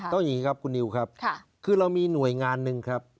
อย่างนี้ครับคุณนิวครับคือเรามีหน่วยงานหนึ่งครับ